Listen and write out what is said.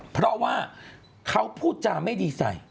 เพราะว่าเขาพูดจาไม่ดีใส่